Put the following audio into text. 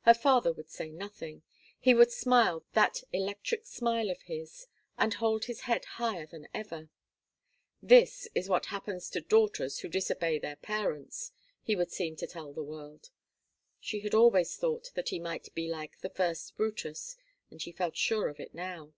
Her father would say nothing. He would smile that electric smile of his, and hold his head higher than ever. 'This is what happens to daughters who disobey their parents,' he would seem to tell the world. She had always thought that he might be like the first Brutus, and she felt sure of it now.